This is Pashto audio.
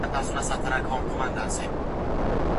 هغې په خپلو بې وسو لاسو د لمانځه تسبېح اړولې.